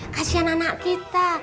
kasian anak kita